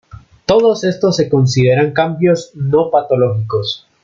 Todos estos se consideran cambios no patológicos.